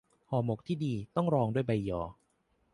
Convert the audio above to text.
ห่อหมกที่ดีต้องรองด้วยใบยอ